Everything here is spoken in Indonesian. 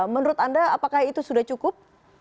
menurut anda apakah itu sudah cukup